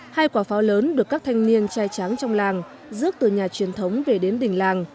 hai quả pháo lớn được các thanh niên trai tráng trong làng rước từ nhà truyền thống về đến đình làng